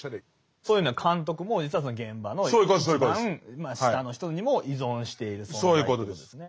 そういうのは監督も実はその現場の一番下の人にも依存している存在ということですね。